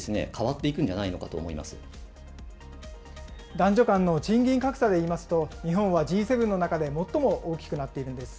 男女間の賃金格差でいいますと、日本はＧ７の中で最も大きくなっているんです。